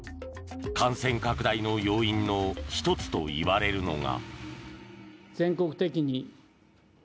感染拡大の要因の１つといわれるのが。